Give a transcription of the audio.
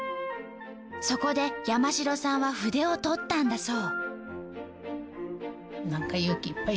そこで山城さんは筆を執ったんだそう。